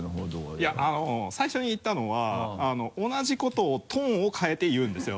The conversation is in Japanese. いや最初に言ったのは同じことをトーンを変えて言うんですよ。